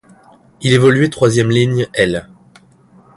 Il évoluait troisième ligne aile.